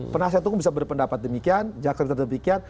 penasih hukum bisa berpendapat demikian jaksa tersebut demikian